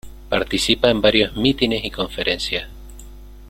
Participa en varios mítines y conferencias.